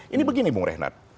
ini begini bung rehnat